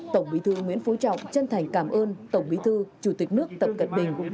tổng bí thư nguyễn phú trọng chân thành cảm ơn tổng bí thư chủ tịch nước tập cận bình